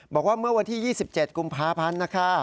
บอกว่าเมื่อวันที่๒๗กุมภาพันธ์นะคะ